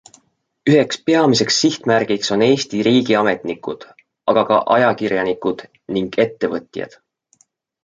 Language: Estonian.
Üheks peamiseks sihtmärgiks on Eesti riigiametnikud, aga ka ajakirjanikud ning ettevõtjad.